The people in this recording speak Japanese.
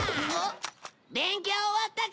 勉強終わったか？